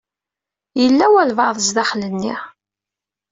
Yella walebɛaḍ zdaxel-nni.